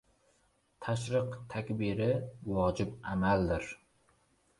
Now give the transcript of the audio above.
Tashriq takbiri – vojib amaldir